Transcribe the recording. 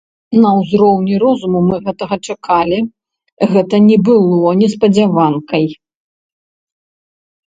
На ўзроўні розуму мы гэтага чакалі, гэта не было неспадзяванкай.